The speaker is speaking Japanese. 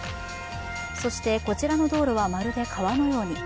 そして、こちらの道路はまるで川のように。